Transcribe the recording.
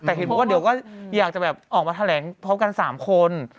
แต่เห็นบอกว่าเดี๋ยวก็อยากจะแบบออกมาแถลงพร้อมกัน๓คน